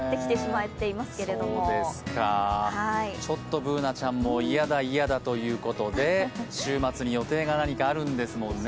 Ｂｏｏｎａちゃんも、ちょっと嫌だ嫌だということで週末に予定が何かあるんですもんね？